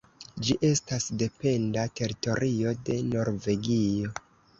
Ĝi estas dependa teritorio de Norvegio.